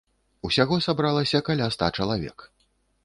Усяго сабралася каля ста чалавек.